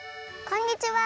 こんにちは！